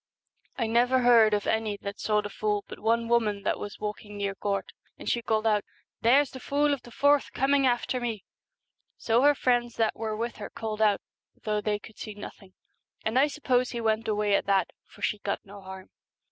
I never heard of any that saw the fool but one woman that was walking near Gort, and she called out, " There's the fool of the forth coming after me." So her friends that were with her called out, though they could see nothing, and I suppose he went away at that, for she got no harm.